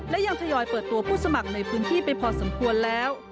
และยังทยอยเปิดตัวผู้สมัครในพื้นที่ไปพอสมควรแล้ว